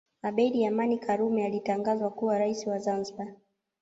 abedi amani karume alitangazwa kuwa rais wa zanzibar